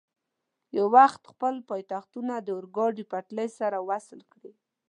یو وخت خپل پایتختونه د اورګاډي پټلۍ سره وصل کړي.